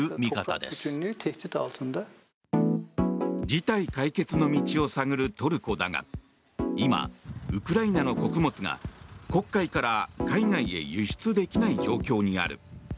事態解決の道を探るトルコだが今、ウクライナの穀物が黒海から海外へ輸出できない状況にある。